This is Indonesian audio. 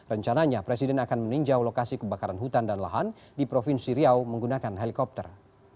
rencananya presiden akan meninjau lokasi kebakaran hutan dan lahan di provinsi riau menggunakan helikopter